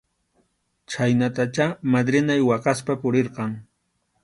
Chhaynatachá madrinay waqaspa purirqan.